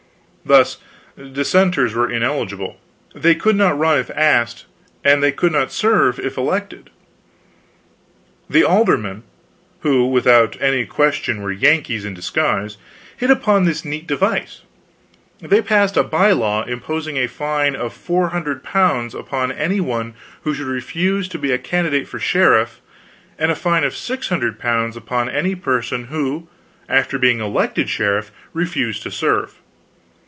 Thus Dissenters were ineligible; they could not run if asked, they could not serve if elected. The aldermen, who without any question were Yankees in disguise, hit upon this neat device: they passed a by law imposing a fine of L400 upon any one who should refuse to be a candidate for sheriff, and a fine of L600 upon any person who, after being elected sheriff, refused to serve.